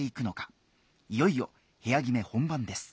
いよいよ部屋決め本番です。